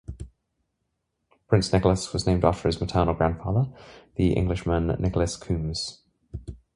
Prince Nicolas was named after his maternal grandfather, the Englishman Nicolas Coombs.